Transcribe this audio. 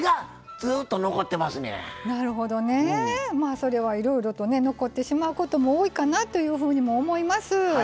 それはいろいろとね残ってしまうことも多いかなというふうにも思います。